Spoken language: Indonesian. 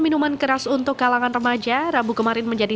minuman keras untuk kalangan remaja rabu kemarin menjadi